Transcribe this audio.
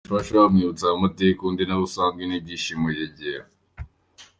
umufasha we amwibutsa aya mateka undi nawe wari usazwe n'ibyishimo yegera